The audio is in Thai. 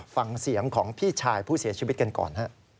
ฟังเสียงของพี่ชายผู้เสียชีวิตกันก่อน